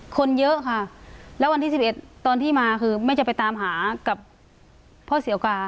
คนเยอะค่ะแล้ววันที่๑๑ตอนที่มาคือแม่จะไปตามหากับพ่อเสียวกา